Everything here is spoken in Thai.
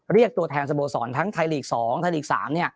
เรียกตัวแทนสโมสรทั้งไทยลีก๒ไทยลีก๓